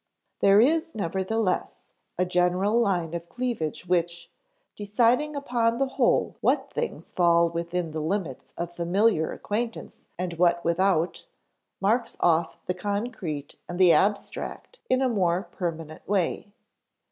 There is, nevertheless, a general line of cleavage which, deciding upon the whole what things fall within the limits of familiar acquaintance and what without, marks off the concrete and the abstract in a more permanent way.